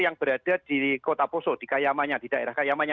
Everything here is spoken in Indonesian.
yang berada di kota poso di kayamanya di daerah kayamanya